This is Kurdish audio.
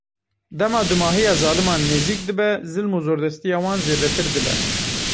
Dema dûmahiya zaliman nêzik dibe, zilm û zordestiya wan zêdetir dibe.